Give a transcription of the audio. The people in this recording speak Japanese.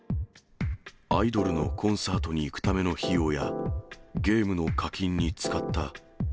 アイドルのコンサートに行くための費用や、ゲームの課金に使った。